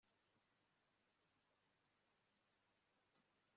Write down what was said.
Nkiri umwana nagiye i Boston buri mpeshyi